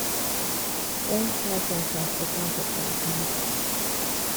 Don't try to impress the trumpet player in the pit.